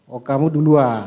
oh kamu duluan